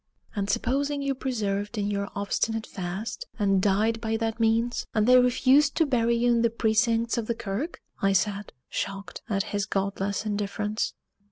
"And supposing you persevered in your obstinate fast, and died by that means, and they refused to bury you in the precincts of the kirk?" I said, shocked at his godless indifference.